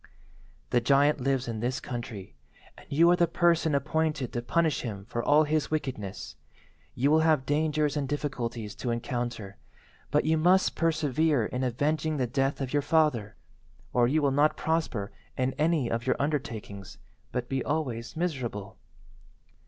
"The giant lives in this country, and you are the person appointed to punish him for all his wickedness. You will have dangers and difficulties to encounter, but you must persevere in avenging the death of your father, or you will not prosper in any of your undertakings, but be always miserable.